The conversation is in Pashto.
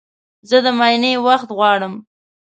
زه د معاینې وخت غواړم.